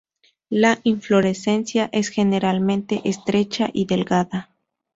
La inflorescencia es generalmente estrecha y delgada.